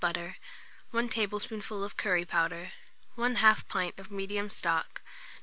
butter, 1 tablespoonful of curry powder, 1/2 pint of medium stock, No.